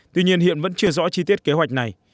tuy nhiên hiện vẫn chưa rõ chi tiết kế hoạch này